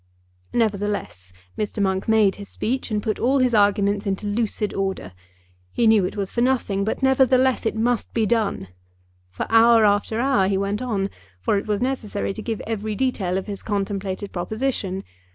Nevertheless Mr. Monk made his speech, and put all his arguments into lucid order. He knew it was for nothing, but nevertheless it must be done. For hour after hour he went on, for it was necessary to give every detail of his contemplated proposition.